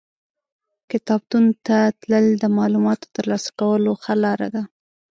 کتابتون ته تلل د معلوماتو ترلاسه کولو ښه لار ده.